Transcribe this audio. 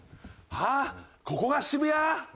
あっここが渋谷？